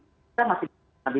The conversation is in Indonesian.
kita masih diikuti